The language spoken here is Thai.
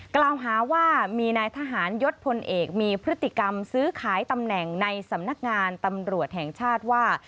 กล่าวหาว่ามีนายทหารยศพลเอกมีพฤติกรรมซื้อขายตำแหน่งในสำนักงานตำรวจแห่งชาติว่า